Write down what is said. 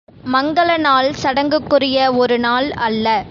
நாள் மங்கல நாள் சடங்குக்குரிய ஒரு நாள் அல்ல.